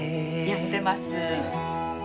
やってます。